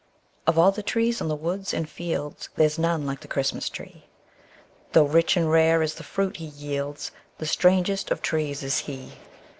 Of all the trees in the woods and fields There's none like the Christmas tree; Tho' rich and rare is the fruit he yields, The strangest of trees is he.